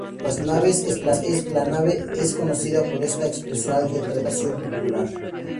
Las Naves es conocida por esta expresión cultural de tradición popular.